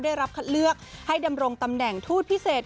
ได้รับคัดเลือกให้ดำรงตำแหน่งทูตพิเศษ